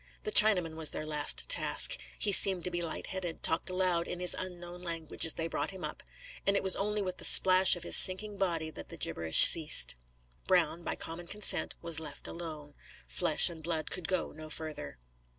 The Chinaman was their last task; he seemed to be light headed, talked aloud in his unknown language as they brought him up, and it was only with the splash of his sinking body that the gibberish ceased. Brown, by common consent, was left alone. Flesh and blood could go no further.